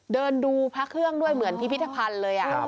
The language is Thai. เดินดูพระเครื่องด้วยเหมือนพิพิธภัณฑ์เลย